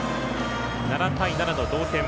７対７の同点。